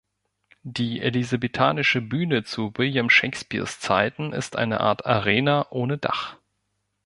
Die elisabethanische Bühne zu William Shakespeares Zeiten ist eine Art Arena ohne Dach.